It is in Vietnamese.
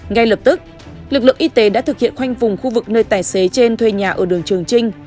ngay lập tức lực lượng y tế đã thực hiện khoanh vùng khu vực nơi tài xế trên thuê nhà ở đường trường trinh